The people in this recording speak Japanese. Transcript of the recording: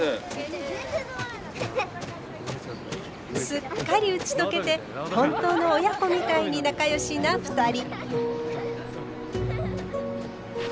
すっかり打ち解けて本当の親子みたいに仲良しな２人。